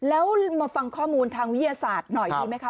แล้วมาฟังข้อมูลทางวิทยาศาสตร์หน่อยดีไหมคะ